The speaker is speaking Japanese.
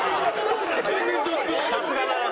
さすがだな。